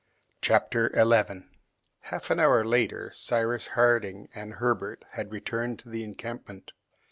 Chapter 11 Half an hour later Cyrus Harding and Herbert had returned to the encampment.